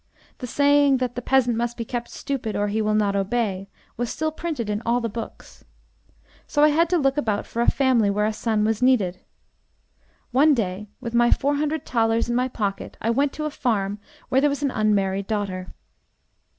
The saying that 'The peasant must be kept stupid or he will not obey' was still printed in all the books. So I had to look about for a family where a son was needed. One day, with my four hundred thalers in my pocket, I went to a farm where there was an unmarried daughter.